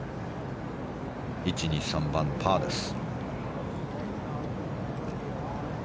１、２、３番パーです。